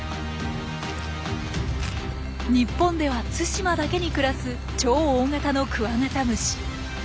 日本では対馬だけに暮らす超大型のクワガタムシ。